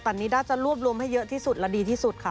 นิด้าจะรวบรวมให้เยอะที่สุดและดีที่สุดค่ะ